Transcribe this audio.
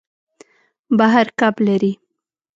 بحر کب لري.